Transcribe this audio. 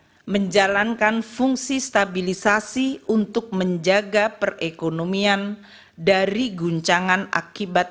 kita menjalankan fungsi stabilisasi untuk menjaga perekonomian dari guncangan akibat